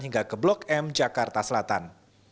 hingga ke blok m jakarta selatan